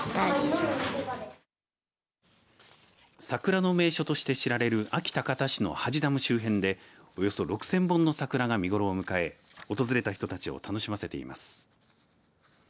桜の名所として知られる安芸高田市の土師ダム周辺でおよそ６０００本の桜が見頃を迎え訪れた人たちを楽しませています。